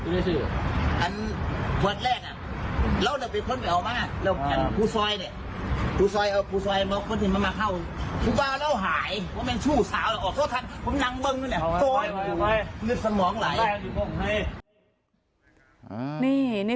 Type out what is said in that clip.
เราจะไปเข้ามา